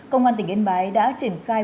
công an tỉnh yên bái đã triển khai